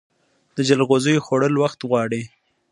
د جلغوزیو خوړل وخت غواړي.